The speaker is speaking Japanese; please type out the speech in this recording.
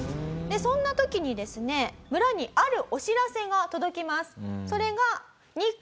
そんな時にですね村にあるお知らせが届きます。